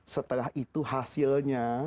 setelah itu hasilnya